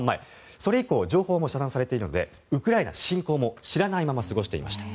それ以降情報も遮断されているのでウクライナ侵攻も知らないまま過ごしていました。